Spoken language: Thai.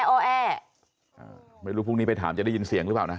เหมือนพรุ่งนี้ไปถามจะได้ยินเสียงหรือป่าวนะ